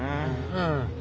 うん。